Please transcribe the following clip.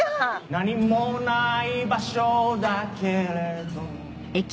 何も無い場所だけれど